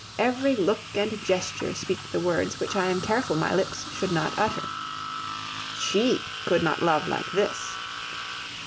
Every look and gesture speak the words which I am careful my lips should not utter, "She could not love like this!"